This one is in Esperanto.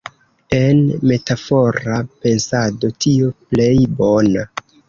En metafora pensado "tio plej bona".